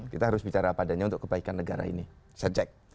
kita harus bicara apa adanya untuk kebaikan negara ini saya cek